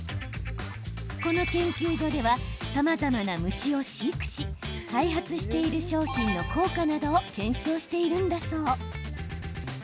この研究所ではさまざまな虫を飼育し開発している商品の効果などを検証しているんだそう。